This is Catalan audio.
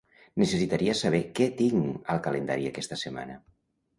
Necessitaria saber què tinc al calendari aquesta setmana.